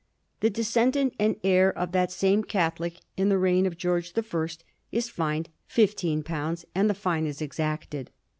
The descendant and heir of that same Catholic in the reign of George the First is fined fifteen pounds, and the fine is exacted.